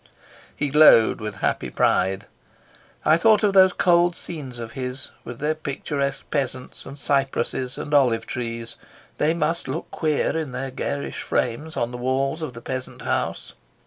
He glowed with happy pride. I thought of those cold scenes of his, with their picturesque peasants and cypresses and olive trees. They must look queer in their garish frames on the walls of the peasant house.